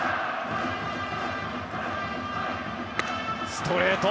ストレート！